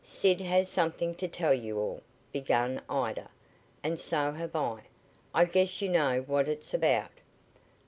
"Sid has something to tell you all," began Ida, "and so have I. I guess you know what it's about."